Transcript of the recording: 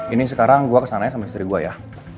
ini sekarang gue kesananya sama istri gue ya